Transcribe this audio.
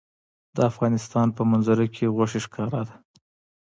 د افغانستان په منظره کې غوښې ښکاره ده.